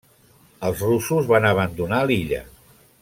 Els russos van abandonar l'illa.